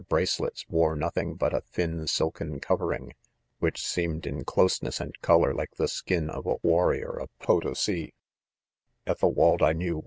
bracelets, bore nothing* hut a thin silken covering, which seemed, in closeness and colour, like the skin, of a warrior of Potosi. € Ethelwald, I knew